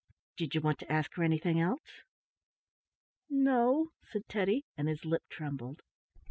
Did you want to ask her anything else?" "No," said Teddy, and his lip trembled.